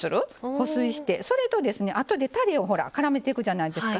保水して、それとあとでたれをからめていくじゃないですか。